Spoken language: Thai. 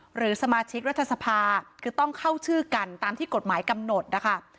หรือสมาชิกรัฐสภาคือต้องเข้าชื่อกันตามที่กฎหมายกำหนดนะคะ